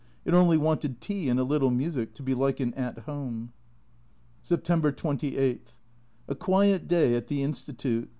It only wanted tea and a little music to be like an " At Home." September 28. A quiet day at the Institute.